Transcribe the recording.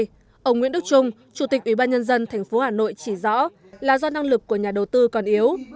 trong thời gian tới ông nguyễn đức trung chủ tịch ủy ban nhân dân tp hà nội chỉ rõ là do năng lực của nhà đầu tư còn yếu